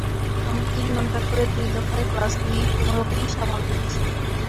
আমরা তিন ঘণ্টা করে দুই দফায় ক্লাস নিয়ে কোনো রকমে সামাল দিচ্ছি।